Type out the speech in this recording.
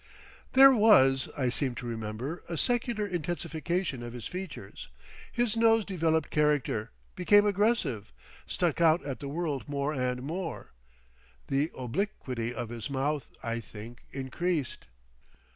There was, I seem to remember, a secular intensification of his features; his nose developed character, became aggressive, stuck out at the world more and more; the obliquity of his mouth, I think, increased.